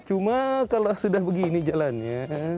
cuma kalau sudah begini jalannya